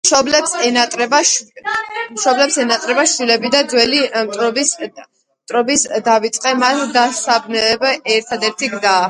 მშობლებს ენატრება შვილები და ძველი მტრობის დავიწყება მათ დასაბრუნებლად ერთადერთი გზაა.